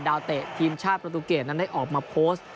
เตะทีมชาติประตูเกรดนั้นได้ออกมาโพสต์